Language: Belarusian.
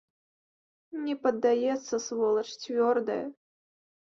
Не паддаецца, сволач, цвёрдая.